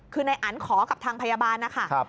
คือในอันขอกับทางพยาบาลนะคะ